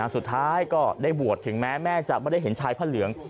สุดท้ายก็ได้บวชถึงแม้แม่จะไม่ได้เห็นชายผ้าเหลือง